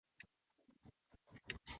当たり前の日常を疑い続けろ。